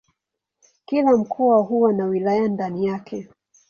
Kila mkoa huwa na wilaya ndani yake.